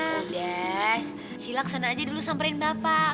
sudah sila kesana aja dulu samperin bapak